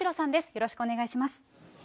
よろしくお願いします。